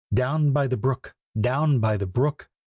"Down by the brook! down by the brook!"